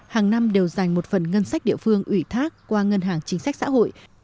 hàng năm đều dành một phần ngân sách địa phương ủy thác qua ngân hàng chính sách xã hội